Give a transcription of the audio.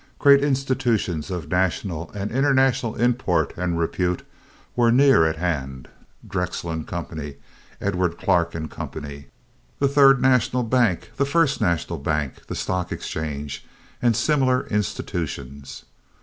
Great institutions of national and international import and repute were near at hand—Drexel & Co., Edward Clark & Co., the Third National Bank, the First National Bank, the Stock Exchange, and similar institutions.